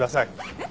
えっ？